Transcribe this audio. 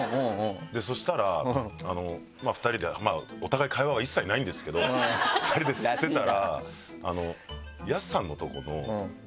そしたらまぁ２人でお互い会話は一切ないんですけど２人で吸ってたら。